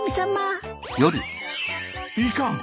いかん。